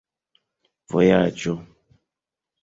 vojaĝo